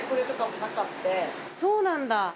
そうなんだ。